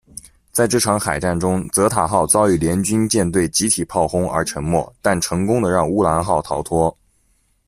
在这场海战中，泽塔号遭遇联军舰队集体炮轰而沉没，但成功地让乌兰号逃脱。